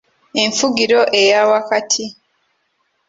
Enfugiro eya wakati